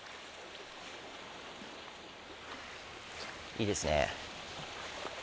いいですね。